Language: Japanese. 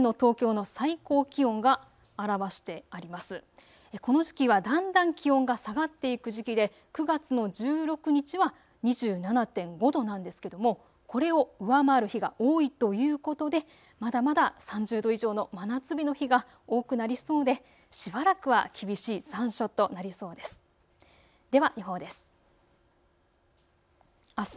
この時期はだんだん気温が下がっていく時期で９月の１６日は２７．５度なんですけどもこれを上回る日が多いということでまだまだ３０度以上の真夏日の日が多くなりそうで、しばらくは厳しい残暑となりそうです。